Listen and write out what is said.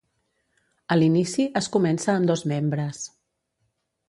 A l'inici es comença amb dos membres.